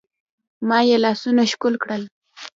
ما يې لاسونه ښکل کړل.